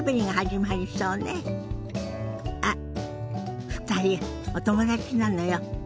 あっ２人お友達なのよ。